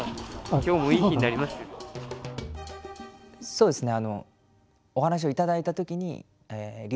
そうですね